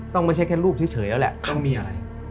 ไม่ใช่แค่รูปเฉยแล้วแหละต้องมีอะไร